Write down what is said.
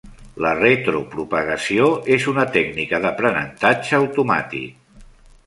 La retropropagació és una tècnica d'aprenentatge automàtic.